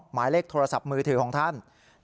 หมายเลขโทรศัพท์มือถือของท่าน